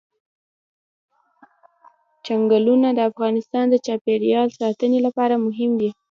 چنګلونه د افغانستان د چاپیریال ساتنې لپاره مهم دي.